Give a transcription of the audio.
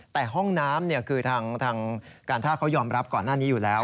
แต่ห้องน้ำคือทางการท่าเขายอมรับก่อนหน้านี้อยู่แล้ว